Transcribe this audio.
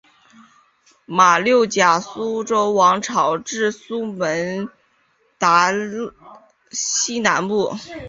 马六甲苏丹王朝至苏门答腊西南部。